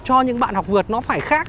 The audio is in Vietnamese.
cho những bạn học vượt phải khác